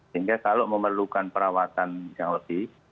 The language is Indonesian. sehingga kalau memerlukan perawatan yang lebih